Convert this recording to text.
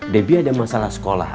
debi ada masalah sekolah